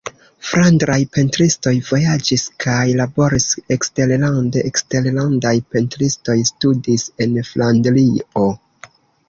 Flandraj pentristoj vojaĝis kaj laboris eksterlande; eksterlandaj pentristoj studis en Flandrio.